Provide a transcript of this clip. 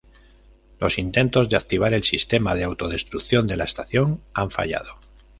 Los intentos de activar el sistema de autodestrucción de la estación han fallado.